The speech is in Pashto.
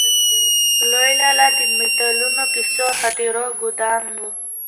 لوی لالا د متلونو، کيسو او خاطرو ګودام و.